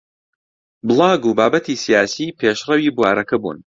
بڵاگ و بابەتی سیاسی پێشڕەوی بوارەکە بوون